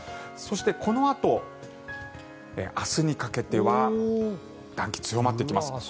そして、このあと明日にかけては暖気が強まってきます。